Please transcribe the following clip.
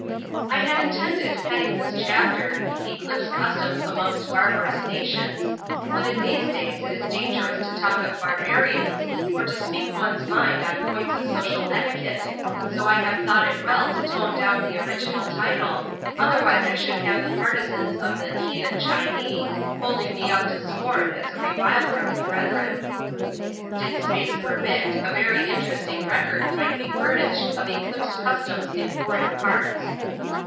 I had intended heading this chapter "Eclipse Customs amongst Barbarous Nations," but in these days it is dangerous to talk of barbarians or to speak one's mind on points of social etiquette so I have thought it well to tone down the original title, otherwise I should have the partisans of the "Heathen Chinee" holding me up to scorn as a reviler of the brethren. Did space permit a very interesting record might be furnished of eclipse customs in foreign parts.